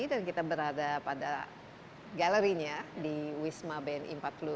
dan kita berada pada galerinya di wisma bni empat puluh enam